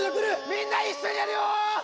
みんな一緒にやるよ！